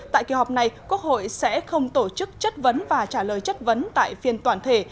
tại kỳ họp này quốc hội sẽ không tổ chức chất vấn và trả lời chất vấn tại phiên toàn thể